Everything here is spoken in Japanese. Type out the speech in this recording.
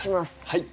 はい。